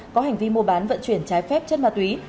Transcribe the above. có hành vi mua bán vận chuyển trái phép chất ma túy